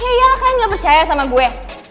ya iyalah kalian gak percaya sama gue